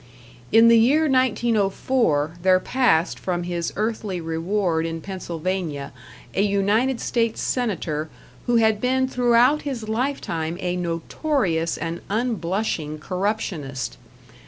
In the year 1904 there passed from his earthly reward in Pennsylvania a United States senator who had been throughout his lifetime a notorious and unblushing corruptionist.